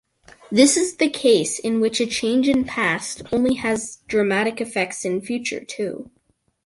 This is the case in which a change in past only has dramatic effects in future, too.